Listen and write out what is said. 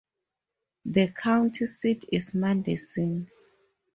The county seat is Madison.